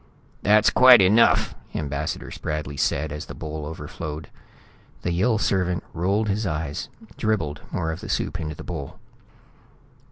"That's quite enough," Ambassador Spradley said, as the bowl overflowed. The Yill servant rolled his eyes, dribbled more of the soup into the bowl.